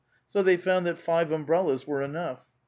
So they found that five umbrellas were enough.